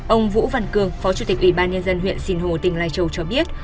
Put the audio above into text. ông vũ văn cương phó chủ tịch ủy ban nhân dân huyện sinh hồ tỉnh lai châu cho biết